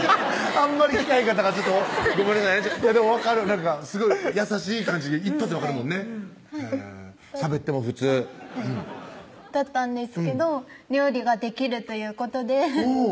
あんまり聞かへんかったからちょっとごめんなさいねでも分かるなんかすごい優しい感じで一発で分かるもんねしゃべってもフツーだったんですけど料理ができるということで